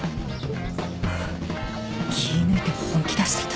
気抜いて本気出してた。